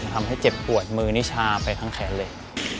ทำให้เจ็บปวดมือนิชาไปทั้งแขนเลย